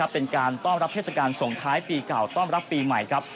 เป็นการรอบรับเทศกาลส่งท้ายปีเก่าต้องรับเนอร์ปีไหมครับ